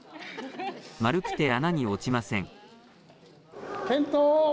丸くて穴に落ちません。